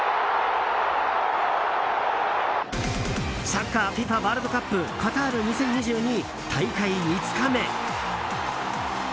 サッカーＦＩＦＡワールドカップカタール２０２２大会５日目。